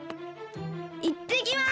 いってきます！